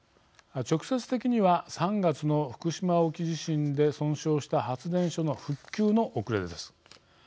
直接的には３月の福島沖地震で損傷した発電所の復旧の遅れです。